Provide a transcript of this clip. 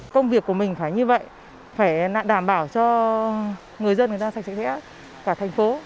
công việc của mình phải như vậy phải đảm bảo cho người dân sạch sẽ cả thành phố